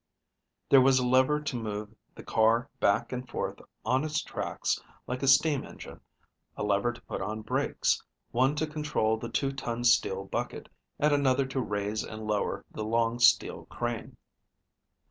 There was a lever to move the car back and forth on its tracks like a steam engine, a lever to put on brakes, one to control the two ton steel bucket, and another to raise and lower the long steel crane.